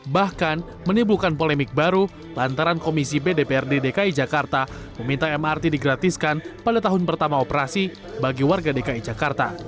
bahkan menimbulkan polemik baru lantaran komisi bdprd dki jakarta meminta mrt digratiskan pada tahun pertama operasi bagi warga dki jakarta